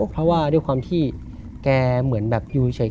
เพราะว่าด้วยความที่แกเหมือนแบบอยู่เฉย